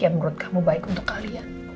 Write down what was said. yang menurut kamu baik untuk kalian